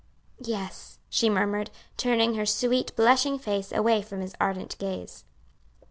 "Yes," she murmured, turning her sweet, blushing face away from his ardent gaze.